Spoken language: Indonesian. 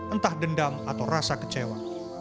entah dendam atau rasa kecewa